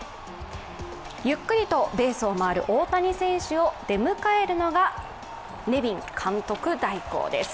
ゆっくりとベースを回る大谷選手を出迎えるのがネビン監督代行です。